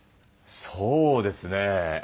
そうですね。